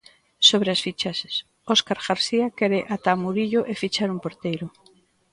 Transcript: Sobre as fichaxes, Óscar García quere ata a Murillo e fichar un porteiro.